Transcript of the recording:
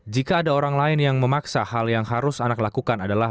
jika ada orang lain yang memaksa hal yang harus anak lakukan adalah